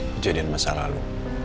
kejadian masa lalu